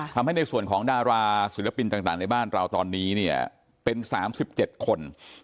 ทำให้ในส่วนของดาราศิลปินต่างในบ้านเราตอนนี้เนี่ยเป็น๓๗คน